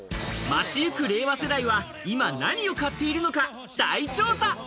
街行く令和世代は今何を買っているのか大調査！